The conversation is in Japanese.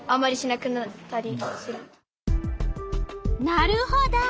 なるほど。